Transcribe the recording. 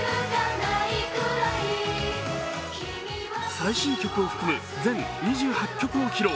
最新曲を含む全２８曲を披露。